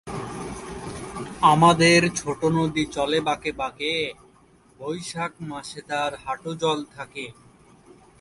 ছায়াছবিটি পরিচালনা করেছেন তাহের চৌধুরী।